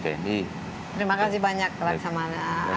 terima kasih banyak laksamanya